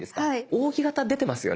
扇形出てますよね？